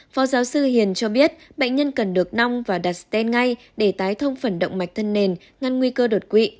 phó giáo sư hiền cho biết bệnh nhân cần được nong và đặt sten ngay để tái thông phần động mạch thân nền ngăn nguy cơ đột quỵ